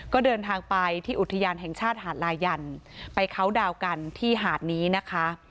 ก็เดินทางไปที่อุทยานแห่งชาติหาดลายันไปเคาน์ดาวกันที่หาดนี้นะคะ